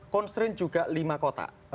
constraint juga lima kota